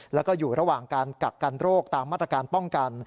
แล้วก็อยู่ระหว่างการกักกันโรคตามมาตรการป้องกัน